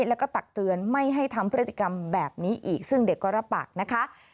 แล้วก็ตักเตือนไม่ให้ทำพฤติกรรมแบบนี้อีกซึ่งเด็กก็รับปากนะคะ